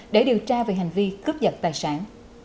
để điều tra về hành vi cướp giật tài sản